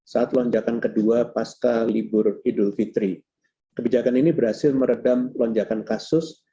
saat lonjakan kedua pasca libur idul fitri kebijakan ini berhasil meredam lonjakan kasus